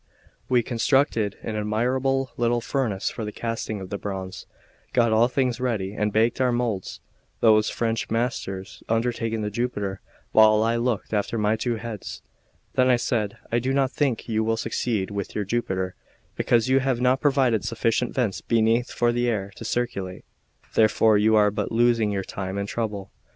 We constructed an admirable little furnace for the casting of the bronze, got all things ready, and baked our moulds; those French masters undertaking the Jupiter, while I looked after my two heads. Then I said: "I do not think you will succeed with your Jupiter, because you have not provided sufficient vents beneath for the air to circulate; therefore you are but losing your time and trouble."